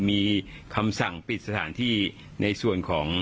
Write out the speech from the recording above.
มีคำสั่งปิดสถานที่ในส่วนของ